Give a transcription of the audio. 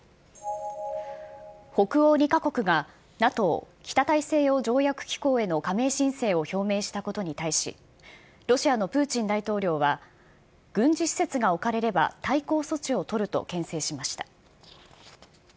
北欧２か国が、ＮＡＴＯ・北大西洋条約機構への加盟申請を表明したことに対し、ロシアのプーチン大統領は、軍事施設が置かれれば対抗措置を取るとけん制しました。